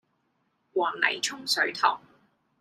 黃泥涌水塘